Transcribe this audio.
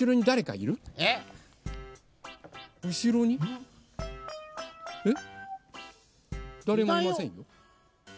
だれもいませんよ。